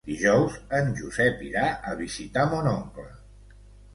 Dijous en Josep irà a visitar mon oncle.